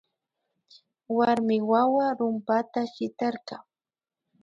Warmi wawa rumpata shitarka